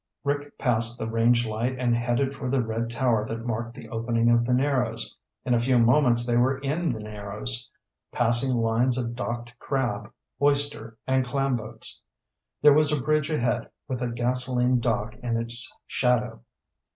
Rick passed the range light and headed for the red tower that marked the opening of the Narrows. In a few moments they were in the Narrows, passing lines of docked crab, oyster, and clam boats. There was a bridge ahead, with a gasoline dock in its shadow.